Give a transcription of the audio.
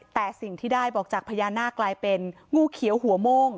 แต่สิ่งที่ได้บอกจากพญานาคกลายเป็นงูเขียวหัวโม่ง